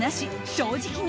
正直に！